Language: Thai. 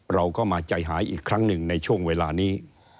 เราก็มาใจหายอีกครั้งหนึ่งในช่วงเวลานี้